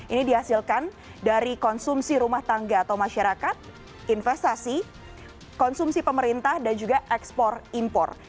ini dihasilkan dari konsumsi rumah tangga atau masyarakat investasi konsumsi pemerintah dan juga ekspor impor